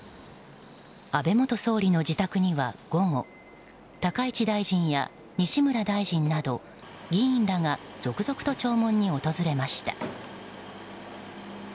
安倍元総理の自宅には午後高市大臣や西村大臣など議員らが続々と弔問に訪れました。